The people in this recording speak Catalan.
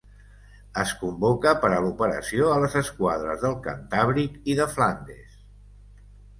Es convoca per a l'operació a les esquadres del Cantàbric i de Flandes.